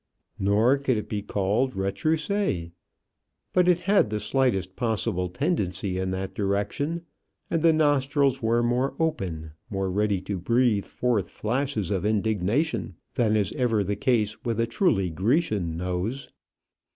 Nor could it be called retroussé, but it had the slightest possible tendency in that direction; and the nostrils were more open, more ready to breathe forth flashes of indignation than is ever the case with a truly Grecian nose.